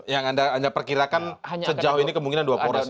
yang anda perkirakan sejauh ini kemungkinan dua poros